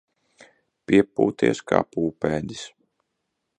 Piepūties kā pūpēdis.